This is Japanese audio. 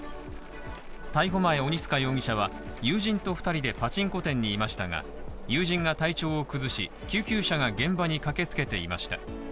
逮捕前鬼束容疑者は友人と２人でパチンコ店にいましたが、友人が体調を崩し、救急車が現場に駆け付けていました。